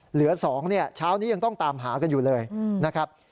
เหลือ๒เนี่ยเช้านี้ยังต้องตามหากันอยู่เลยนะครับ